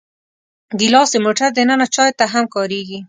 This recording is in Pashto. ګیلاس د موټر دننه چایو ته هم کارېږي.